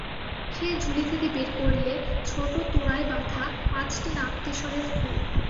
সেই ঝুলি থেকে বের করলে ছোটো তোড়ায় বাঁধা পাঁচটি নাগকেশরের ফুল।